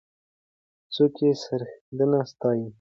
څوک یې سرښندنه ستایي؟